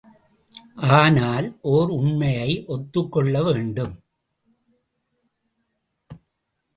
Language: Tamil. ஆனால் ஓர் உண்மையை ஒத்துக்கொள்ள வேண்டும்.